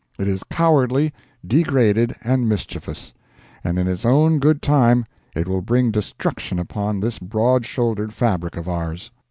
It is cowardly, degraded and mischievous; and in its own good time it will bring destruction upon this broad shouldered fabric of ours.